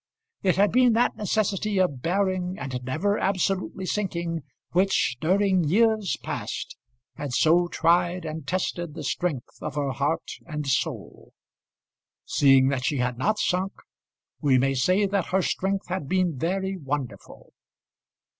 It had been that necessity of bearing and never absolutely sinking which, during years past, had so tried and tested the strength of her heart and soul. Seeing that she had not sunk, we may say that her strength had been very wonderful.